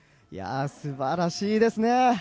素晴らしいですね。